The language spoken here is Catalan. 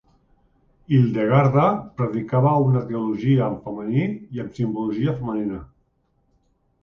Hildegarda predicava una teologia en femení i amb simbologia femenina.